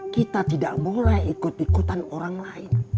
kita tidak boleh ikut ikutan orang lain